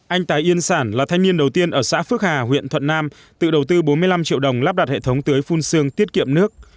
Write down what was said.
anh tài yên sản là thanh niên đầu tiên ở xã phước hà huyện thuận nam tự đầu tư bốn mươi năm triệu đồng lắp đặt hệ thống tưới phun xương tiết kiệm nước